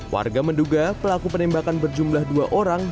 warga menduga pelaku penembakan berjumlah dua orang